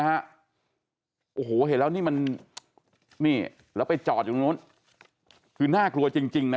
ฮะโอ้โหเห็นแล้วนี่มันมีแล้วไปจอดนู้นคือน่ากลัวจริงนะ